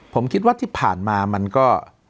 ผมคิดว่าที่ผ่านมามันก็